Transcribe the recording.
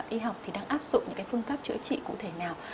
y học đang áp dụng những phương pháp chữa trị cụ thể nào